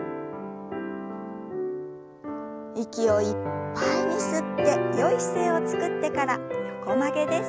息をいっぱいに吸ってよい姿勢をつくってから横曲げです。